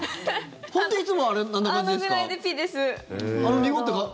本当にいつもあんな感じですか？